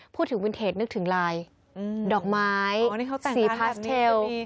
พูดถึงวินเทจนึกถึงลายดอกไม้สีพาสเทล